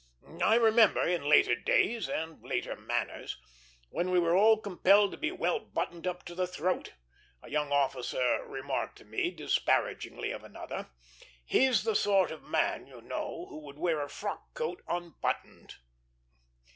I remember, in later days and later manners, when we were all compelled to be well buttoned up to the throat, a young officer remarked to me disparagingly of another, "He's the sort of man, you know, who would wear a frock coat unbuttoned."